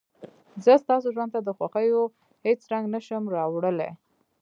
زه ستاسو ژوند ته د خوښيو هېڅ رنګ نه شم راوړلى.